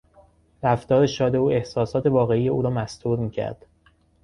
رفتار شاد او احساسات واقعی او را مستور میکرد.